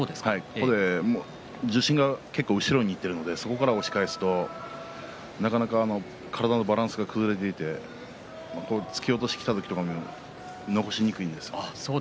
重心が結構、後ろにいっているので、そこから押し返すのはなかなか体のバランスが崩れていって突き落としがきた時も残しにくいんですね。